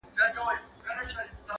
• ګلکده وجود دي تاته مبارک وي,